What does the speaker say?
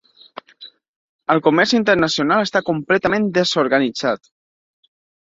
El comerç internacional està completament desorganitzat.